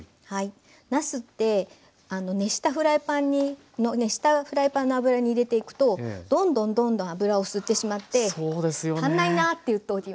なすって熱したフライパンの油に入れていくとどんどんどんどん油を吸ってしまって足んないなっていう時ありますよね。